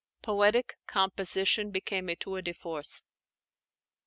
Poetic composition became a tour de force.